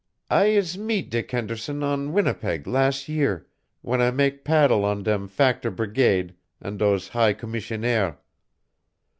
I is meet Dick Henderson on Winnipeg las' year, w'en I mak' paddle on dem Factor Brigade, an' dose High Commissionaire.